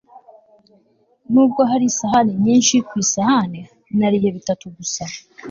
nubwo hari isahani nyinshi ku isahani, nariye bitatu gusa